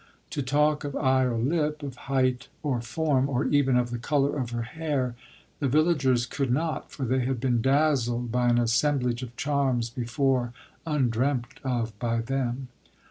To talk of eye or lip, of height or form, or even of the colour of her hair, the villagers could not, for they had been dazzled by an assem blage of charms before undreamt of by them.